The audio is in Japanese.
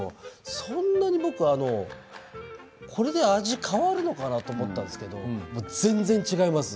そんなに僕これで味変わるのかな？と思ったんですけど全然違います。